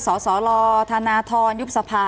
สอสอลอธานาธรยุบสภา